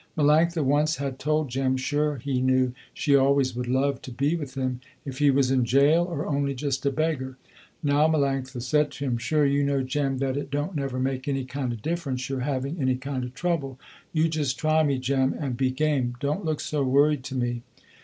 Melanctha once had told Jem, sure he knew she always would love to be with him, if he was in jail or only just a beggar. Now Melanctha said to him, "Sure you know Jem that it don't never make any kind of difference you're having any kind of trouble, you just try me Jem and be game, don't look so worried to me.